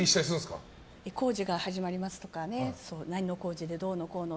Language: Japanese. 工事が始まりますとか何の工事で、どうのこうの。